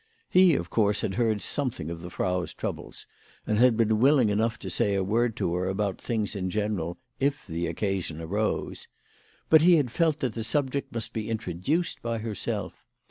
He, of course, had heard something of the Frau's troubles, and had been willing enough to say a word to her about things in general if the occa sion arose. But he had felt that the subject must be introduced by herself.